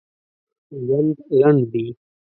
ژوند لنډ دي!